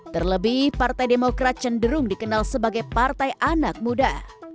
terlebih partai demokrat cenderung dikenal sebagai partai anak muda